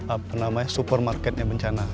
apa namanya supermarketnya bencana